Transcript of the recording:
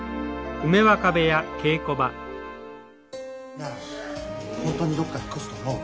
なあホントにどっか引っ越すと思う？